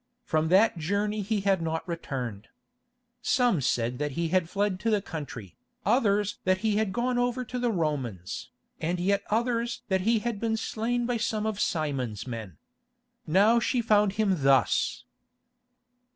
From that journey he had not returned. Some said that he had fled to the country, others that he had gone over to the Romans, and yet others that he had been slain by some of Simon's men. Now she found him thus!